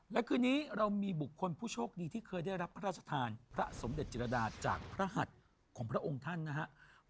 และคืนนี้เรามีบุคคลผู้โชคดีที่เคยได้รับพระราชทานพระสมเด็จจิรดาจากพระหัสของพระองค์ท่านนะครับ